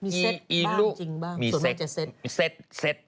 มีเซ็ตบ้างจริงบ้างส่วนมากจะเซ็ต